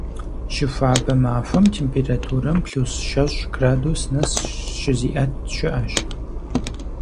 Щыхуабэ махуэм температурам плюс щэщӏ градус нэс щызиӀэт щыӀэщ.